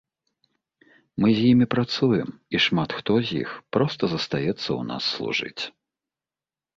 Мы з імі працуем, і шмат хто з іх проста застаецца ў нас служыць.